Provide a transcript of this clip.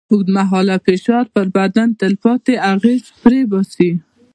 اوږدمهاله فشار پر بدن تلپاتې اغېزه پرېباسي.